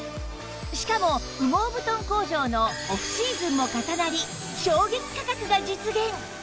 しかも羽毛布団工場のオフシーズンも重なり衝撃価格が実現！